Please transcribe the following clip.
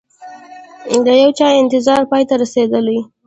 د یوچا انتظار پای ته رسیدلي